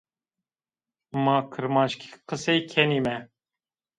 Ma kirmanckî qesey kenîme.